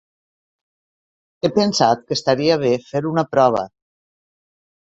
He pensat que estaria bé fer una prova.